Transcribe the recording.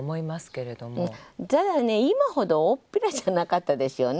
ただね今ほどおおっぴらじゃなかったですよね。